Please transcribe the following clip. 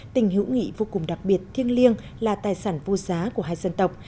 tình hữu nghị vô cùng đặc biệt thiêng liêng là tài sản vô giá của hai dân tộc